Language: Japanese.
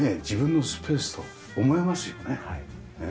自分のスペースと思えますよね。